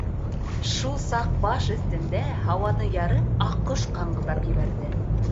Шул саҡ баш өҫтөндә һауаны ярып аҡҡош ҡаңғылдап ебәрҙе.